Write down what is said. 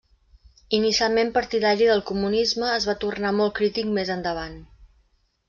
Inicialment partidari del comunisme es va tornar molt crític més endavant.